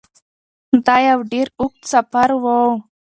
دا یو ډیر اوږد سفر و.